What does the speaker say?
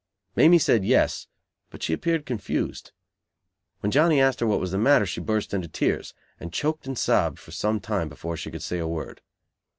Mamie said "Yes," but she appeared confused. When Johnny asked her what was the matter, she burst into tears; and choked and sobbed for some time before she could say a word.